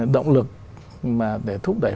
động lực mà để thúc đẩy